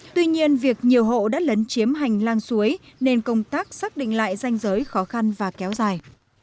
tuy nhiên việc nhiều hộ đã lấn chiếm hành lang suối nên công tác xác định lại danh giới khó khăn và kéo dài